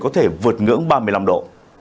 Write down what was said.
có thể vượt ngưỡng ba mươi năm độ